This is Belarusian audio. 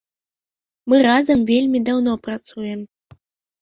Мы разам вельмі даўно працуем.